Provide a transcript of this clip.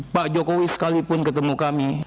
pak jokowi sekalipun ketemu kami